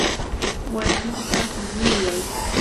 waynuta wiyay.